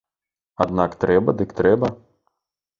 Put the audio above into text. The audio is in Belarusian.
Аднак трэба дык трэба.